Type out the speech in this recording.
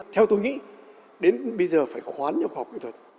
theo tôi nghĩ đến bây giờ phải khoán nhà khoa học kỹ thuật